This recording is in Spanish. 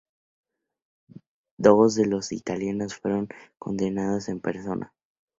Dos de los italianos fueron condenados en persona.